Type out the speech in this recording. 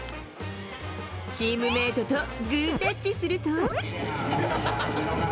チームメートとグータッチすると。